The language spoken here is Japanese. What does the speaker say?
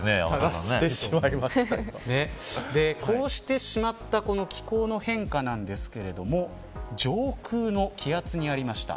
こうしてしまった気候の変化なんですけど上空の気圧にありました。